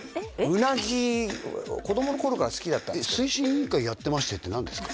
うなぎ子供の頃から好きだったんですけど「推進委員会やってまして」って何ですか？